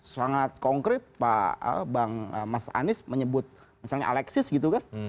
sangat konkret pak mas anies menyebut misalnya alexis gitu kan